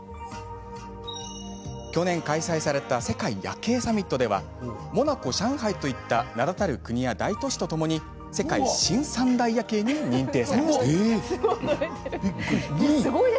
去年、開催された世界夜景サミットではモナコ、上海といった名だたる国や大都市とともに世界新三大夜景に認定されました。